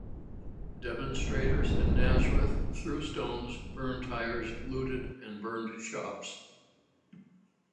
Demonstrators in Nazareth threw stones, burned tires, looted and burned shops.